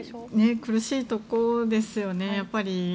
苦しいところですよね。